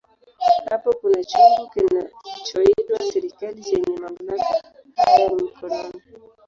Hapo kuna chombo kinachoitwa serikali chenye mamlaka haya mkononi.